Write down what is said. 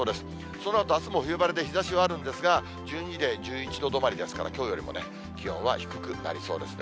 そのあと、あすも冬晴れで日ざしはあるんですが、１２時で１１度止まりですから、きょうよりも気温は低くなりそうですね。